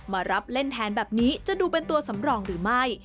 มารับเล่นแทนแบบนี้จะดูเป็นตัวสำรองหรือไม่